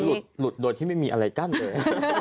ผมลุดโดดที่ไม่มีอะไรกั้นแบบนี้